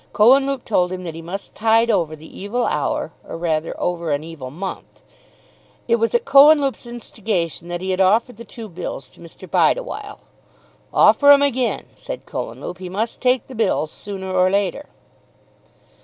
Cohenlupe told him that he must tide over the evil hour, or rather over an evil month. It was at Cohenlupe's instigation that he had offered the two bills to Mr. Bideawhile. "Offer 'em again," said Cohenlupe. "He must take the bills sooner or later."